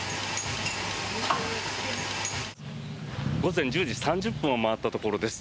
午前１０時３０分を回ったところです。